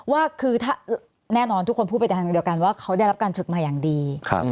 ว่าคือถ้าแน่นอนทุกคนพูดไปในทางเดียวกันว่าเขาได้รับการฝึกมาอย่างดี